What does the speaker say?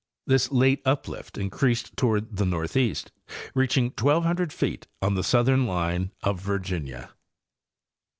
. This late uplift increased toward the northeast, reaching 1,200 feet on the southern line of Virginia.